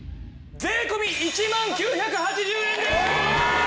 税込１万９８０円です！